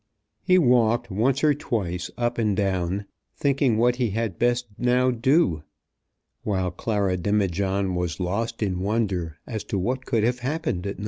He walked once or twice up and down, thinking what he had best now do, while Clara Demijohn was lost in wonder as to what could have happened at No.